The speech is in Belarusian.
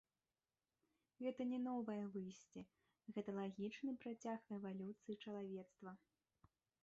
Гэта не новае выйсце, гэта лагічны працяг эвалюцыі чалавецтва.